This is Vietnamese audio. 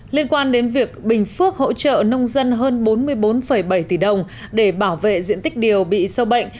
liên quan đến việc bình phước hỗ trợ nông dân hơn bốn mươi bốn bảy tỷ đồng để bảo vệ diện tích điều bị sâu bệnh